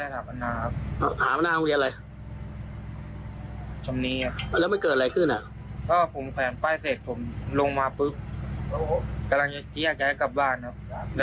ส่วนก็ผมแป๊บนึงเขาปราเบิดอัดรถผม